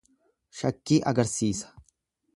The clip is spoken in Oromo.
Shakkii agarsiisa.